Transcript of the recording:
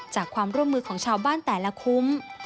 จากความร่วมมือของชาวบ้านแต่ละคุ้ม